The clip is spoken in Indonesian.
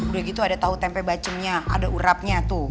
udah gitu ada tahu tempe bacemnya ada urapnya tuh